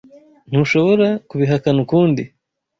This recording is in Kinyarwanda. Ntushobora kubihakana ukundi.